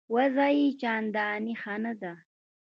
وضع یې چنداني ښه نه ده.